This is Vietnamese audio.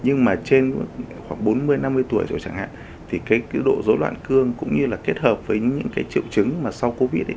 nhưng mà trên khoảng bốn mươi năm mươi tuổi rồi chẳng hạn thì cái độ dối loạn cương cũng như là kết hợp với những triệu chứng sau covid